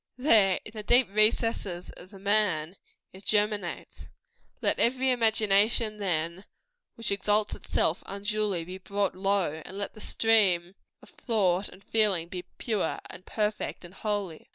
There, in the deep recesses of the man, it germinates. Let every imagination, then, which exalts itself unduly, be brought low; and let the stream of thought and feeling be pure, and perfect, and holy.